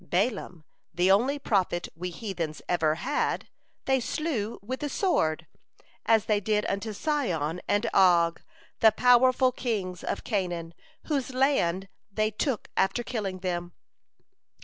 Balaam, the only prophet we heathens ever had, they slew with the sword, as they did unto Sihon and Og, the powerful kings of Canaan, whose land they took after killing them.